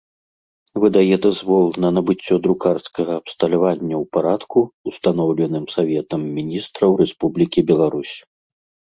Выдае дазвол на набыццё друкарскага абсталявання ў парадку, устаноўленым Саветам Мiнiстраў Рэспублiкi Беларусь.